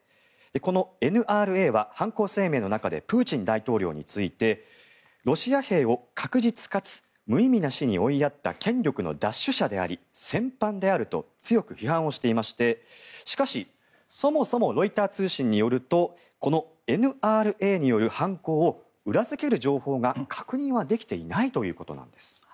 このＮＲＡは、犯行声明の中でプーチン大統領についてロシア兵を確実かつ無意味な死に追いやった権力の奪取者であり戦犯であると強く批判をしていましてしかし、そもそもロイター通信によるとこのＮＲＡによる犯行を裏付ける情報が確認はできていないということなんです。